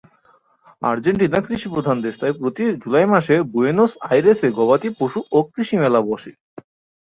Argentina কৃষিপ্রধান দেশ, তাই প্রতি জুলাই মাসে বুয়েনোস আইরেসে গবাদি পশু ও কৃষি মেলা বসে।